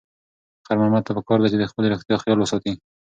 خیر محمد ته پکار ده چې د خپلې روغتیا خیال وساتي.